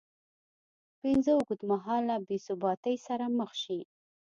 ه اوږدمهاله بېثباتۍ سره مخ شي